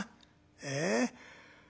ええ？